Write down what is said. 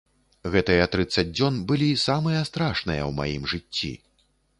Гэтыя трыццаць дзён былі самыя страшныя ў маім жыцці.